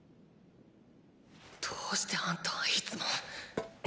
どうしてあんたはいつも！